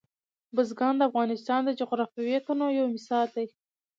بزګان د افغانستان د جغرافیوي تنوع یو مثال دی.